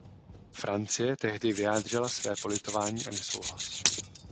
Francie tehdy vyjádřila své politování a nesouhlas.